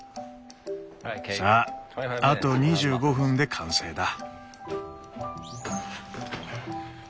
さああと２５分で完成だ。